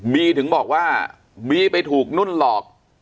ถึงบอกว่าบีไปถูกนุ่นหลอก